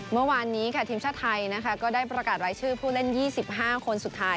เมื่อวานนี้ค่ะทีมชาติไทยนะคะก็ได้ประกาศรายชื่อผู้เล่น๒๕คนสุดท้าย